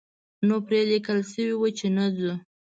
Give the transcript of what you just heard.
نو پرې لیکل شوي وو چې نه ځو.